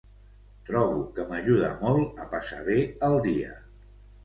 Trobo que m'ajuda molt a passar bé el dia.